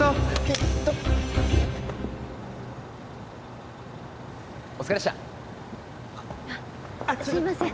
ひとお疲れっしたすいません